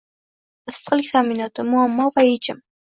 Issiqlik ta’minoti: muammo va yechim